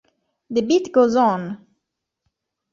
The Beat Goes On!